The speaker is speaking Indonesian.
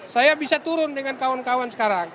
saya bisa turun dengan kawan kawan sekarang